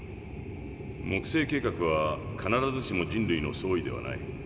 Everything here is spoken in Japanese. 木星計画は必ずしも人類の総意ではない。